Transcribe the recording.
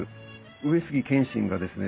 上杉謙信がですね